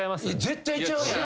絶対ちゃうやん。